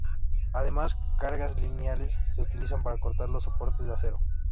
Además cargas lineales se utilizan para cortar los soportes de acero.